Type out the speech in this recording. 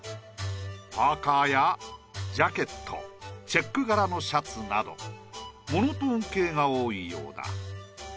パーカーやジャケットチェック柄のシャツなどモノトーン系が多いようだ。